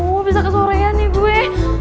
aduh bisa kesorean nih gue